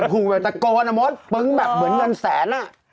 พูนเบอร์เลอร์ตะโกวันอมศปึ๊งแบบเหมือนเงินแสนอ่ะ